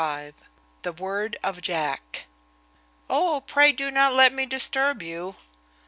XXXV THE WORD OF JACK "O, pray do not let me disturb you."